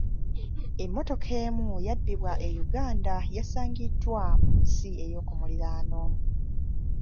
Emmotoka emu yabbibwa e Uganda yasangiddwa mu nsi ey'okumuliraano.